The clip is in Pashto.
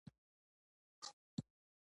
هغې وویل محبت یې د دریاب په څېر ژور دی.